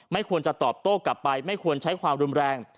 ควรจะตอบโต้กลับไปไม่ควรใช้ความรุนแรง